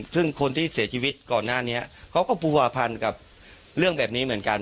ซึ่งคนที่เสียชีวิตก่อนหน้านี้เขาก็ผัวพันกับเรื่องแบบนี้เหมือนกัน